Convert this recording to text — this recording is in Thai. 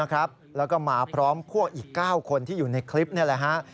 แล้วก็มาพร้อมพวกอีก๙คนที่อยู่ในคลิปนี่แหละฮะ